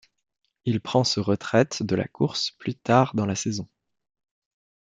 Il prend se retraite de la course plus tard dans la saison.